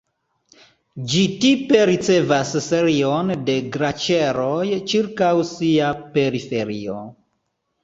Ĝi tipe ricevas serion de glaĉeroj ĉirkaŭ sia periferio.